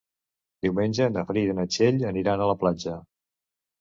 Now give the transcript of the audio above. Diumenge na Frida i na Txell aniran a la platja.